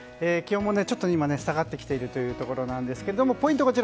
気温も下がってきているというところなんですけどポイント